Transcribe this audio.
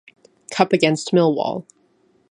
Cup against Millwall.